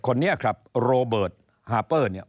คนนี้ครับโรเบิร์ตฮาเปอร์เนี่ย